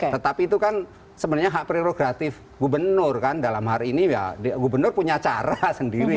tetapi itu kan sebenarnya hak prerogatif gubernur kan dalam hari ini ya gubernur punya cara sendiri